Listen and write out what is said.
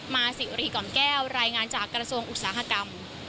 มาสิวรีกล่อมแก้วรายงานจากกระทรวงอุตสาหกรรม